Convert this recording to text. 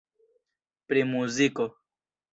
Pri muziko.